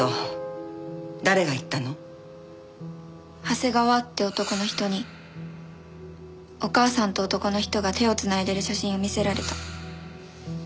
長谷川って男の人にお母さんと男の人が手を繋いでる写真を見せられた。